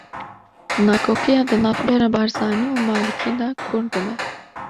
Nakokiya di navbera Barzanî û Malikî de kûr dibe